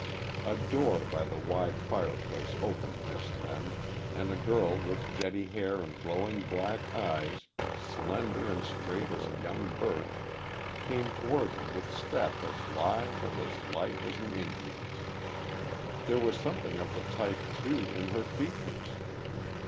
A door by the wide fireplace opened just then, and a girl with jetty hair and glowing black eyes slender and straight as a young birch came toward them with step as lithe and as light as an Indian's. There was something of the type, too, in her features.